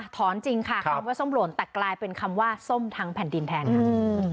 จริงค่ะคำว่าส้มหล่นแต่กลายเป็นคำว่าส้มทั้งแผ่นดินแทนค่ะ